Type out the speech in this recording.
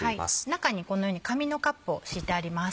中にこのように紙のカップを敷いてあります。